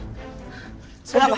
ini kenapa pak